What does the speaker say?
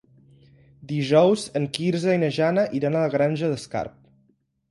Dijous en Quirze i na Jana iran a la Granja d'Escarp.